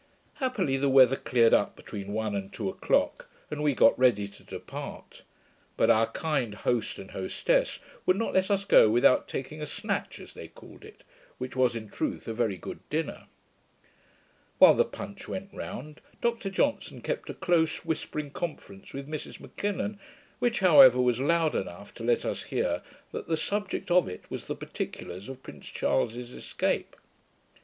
Happily the weather cleared up between one and two o'clock, and we got ready to depart; but our kind host and hostess would not let us go without taking a 'snatch', as they called it; which was in truth a very good dinner. While the punch went round, Dr Johnson kept a close whispering conference with Mrs M'Kinnon, which, however, was loud enough to let us hear that the subject of it was the particulars of Prince Charles's escape.